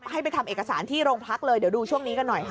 ให้ไปทำเอกสารที่โรงพักเลยเดี๋ยวดูช่วงนี้กันหน่อยค่ะ